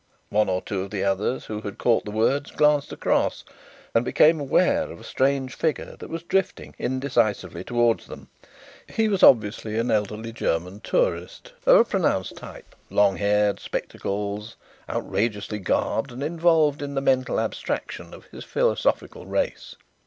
One or two of the others who had caught the words glanced across and became aware of a strange figure that was drifting indecisively towards them. He was obviously an elderly German tourist of pronounced type long haired, spectacled, outrageously garbed and involved in the mental abstraction of his philosophical race.